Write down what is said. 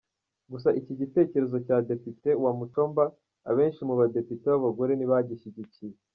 Gusa iki gitekerezo cya Depite Wamuchomba abenshi mu Badepite b’abagore ntibagishyigikiye.